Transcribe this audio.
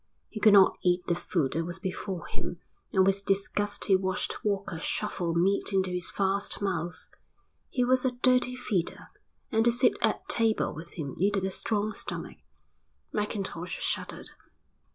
He could not eat the food that was before him and with disgust he watched Walker shovel meat into his vast mouth. He was a dirty feeder, and to sit at table with him needed a strong stomach. Mackintosh shuddered.